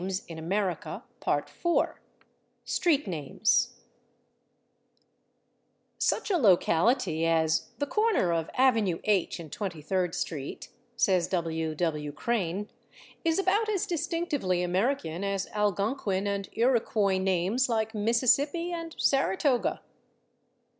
§ 4 /Street Names/ "Such a locality as 'the /corner/ of /Avenue H/ and /Twenty third/ street,'" says W. W. Crane, "is about as distinctively American as Algonquin and Iroquois names like /Mississippi/ and /Saratoga